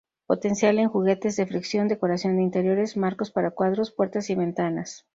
Potencial en juguetes de fricción, decoración de interiores, marcos para cuadros, puertas y ventanas.